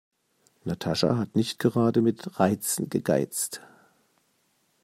Natascha hat nicht gerade mit Reizen gegeizt.